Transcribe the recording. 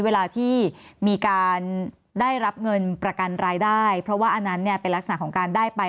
เวลาที่มีการได้รับเงินประกันรายได้เพราะว่าอันนั้นเนี่ยเป็นลักษณะของการได้ไป